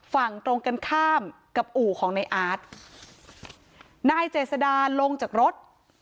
ฝั่งตรงกันข้ามกับอู่ของในอาร์ตนายเจษดาลงจากรถ